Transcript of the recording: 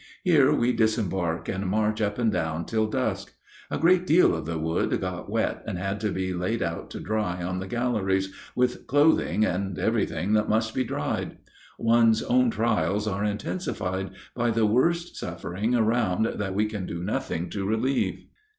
Here we disembark and march up and down till dusk. A great deal of the wood got wet and had to be laid out to dry on the galleries, with clothing, and everything that must be dried. One's own trials are intensified by the worse suffering around that we can do nothing to relieve.